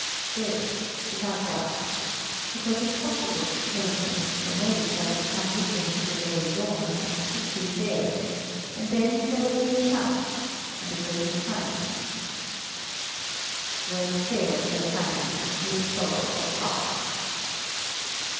"Dead, without doubt. It was impossible to save him, for Meryza would come with him to the very door, and kiss him there; and then there would be a shout and a great silence." Words failed Sir Simon for sheer sorrow of heart.